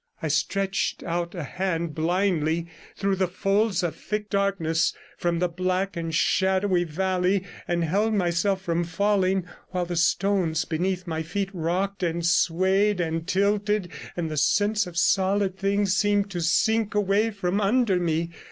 I stretched out a hand blindly through the folds of thick darkness, from the black and shadowy valley, and held myself from falling, while the stones beneath my feet rocked and swayed and tilted, and the sense of solid things seemed to sink away from under me.